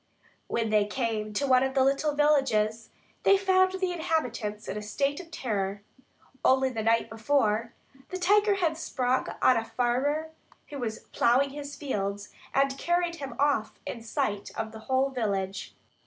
When they came to one of the little villages, they found the inhabitants in a state of terror. Only the day before, the tiger had sprung on a farmer who was ploughing his fields and carried him off in sight of the whole village.